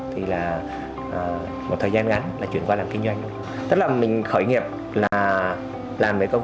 thì là một thời gian gắn là chuyển qua làm kinh doanh tức là mình khởi nghiệp là làm cái công